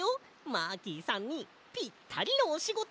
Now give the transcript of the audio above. マーキーさんにぴったりのおしごと。